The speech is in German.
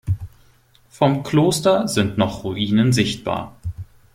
Vom Kloster sind noch Ruinen sichtbar.